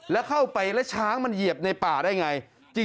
แล้วเข้าไปแล้วช้างมันเหยียบในป่าได้ไง